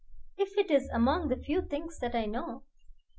"If it is among the few things that I know."